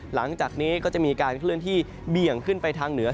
หลังจากนี้ก็จะมีการเคลื่อนที่เบี่ยงขึ้นไปทางเหนือ